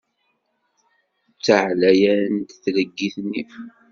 D taɛlayant tleggit-nni.